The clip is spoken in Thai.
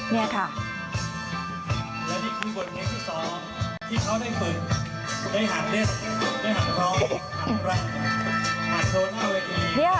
อย่างนี้ค่ะ